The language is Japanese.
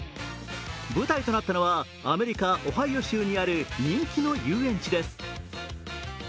舞台となったのは、アメリカ・オハイオ州にある人気の遊園地です。